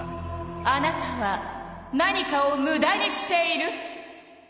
あなたは何かをむだにしている！